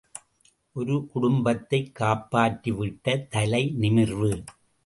ஒரு குடும்பத்தைக் காப்பாற்றிவிட்ட தலை நிமிர்வு.